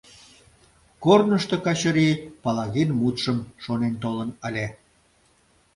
Корнышто Качыри Палагин мутшым шонен толын ыле.